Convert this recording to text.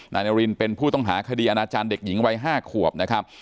นายนารินเป็นผู้ต้องหาคดีอาณาจารย์เด็กหญิงวัย๕ขวบนะครับ